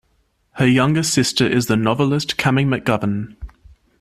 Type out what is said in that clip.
Her younger sister is the novelist Cammie McGovern.